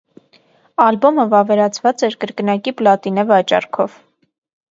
Ալբոմը վավերացված էր կրկնակի պլատինե վաճառքով։